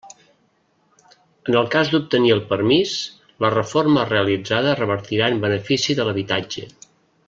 En el cas d'obtenir el permís, la reforma realitzada revertirà en benefici de l'habitatge.